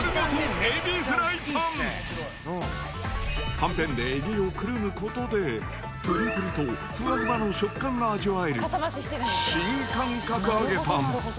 はんぺんでエビをくるむことで、ぷりぷりとふわふわの食感が味わえる、新感覚揚げパン。